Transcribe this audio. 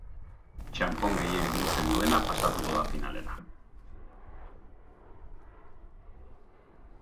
Txanpon gehien biltzen duena pasatuko da finalera.